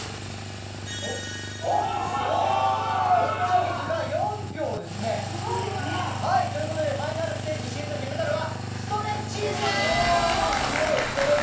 ストレッチーズが４票ですね。ということでファイナルステージ進出を決めたのはストレッチーズ。